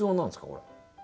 これ。